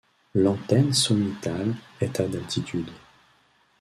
L’antenne sommitale est à d’altitude.